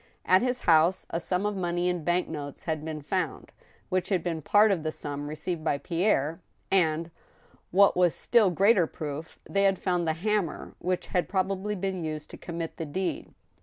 At his house a sum of money in bank notes had been found, which had been part of the sum received by Pierre, and, what was still greater proof, they had found the hammer which had probably been used to'commit the deed.